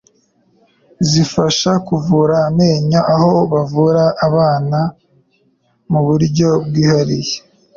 zifasha kuvura amenyo aho bavura n'abana mu buryo bwihariye.